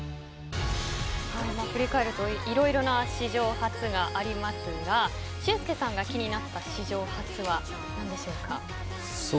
振り返ると色々な史上初がありますが俊輔さんが気になった史上初は何でしょうか？